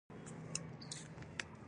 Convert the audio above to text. لویې شورا ته د تازه غړو راتګ ډاډمن شوی و